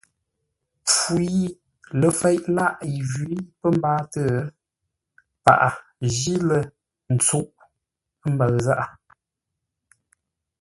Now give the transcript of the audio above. Mpfu yi ləfeʼ lâʼ yi njwǐ pə̌ mbáatə́, paghʼə jí lə́ ntsuʼə́ mbəʉ zághʼə.